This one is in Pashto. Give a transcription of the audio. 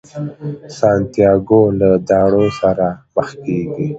سانتیاګو له داړو سره مخ کیږي.